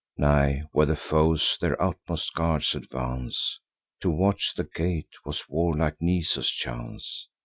Nigh where the foes their utmost guards advance, To watch the gate was warlike Nisus' chance.